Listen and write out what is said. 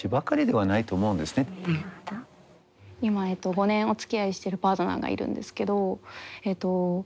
今５年おつきあいしてるパートナーがいるんですけどえっと